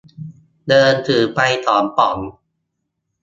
เดินถือไปสองป๋อง